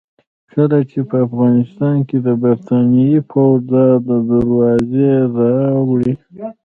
کله چې په افغانستان کې د برتانیې پوځ دا دروازې راوړې.